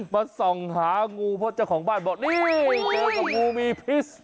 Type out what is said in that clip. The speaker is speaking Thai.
มาส่องหางูเพราะเจ้าของบ้านบอกนี่เจอกับงูมีพิษ